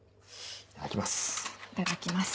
いただきます。